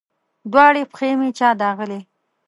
دواړې پښې مې چا داغلي